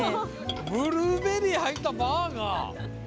ブルーベリー入ったバーガー！？